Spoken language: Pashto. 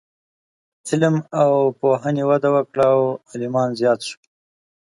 علم او پوهنې وده وکړه او عالمان زیات شول.